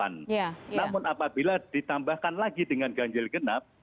namun apabila ditambahkan lagi dengan ganjil genap